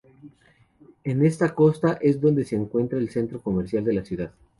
En esta costa es donde se encuentra el centro comercial de la ciudad.